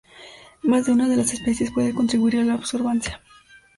Más de una de las especies puede contribuir a la absorbancia.